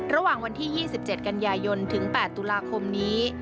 ระหว่างวันที่๒๗กันยายนถึง๘ตุลาคมนี้